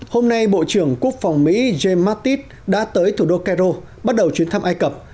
hôm nay bộ trưởng quốc phòng mỹ james mattis đã tới thủ đô cairo bắt đầu chuyến thăm ai cập